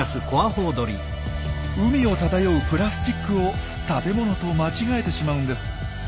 海を漂うプラスチックを食べ物と間違えてしまうんです。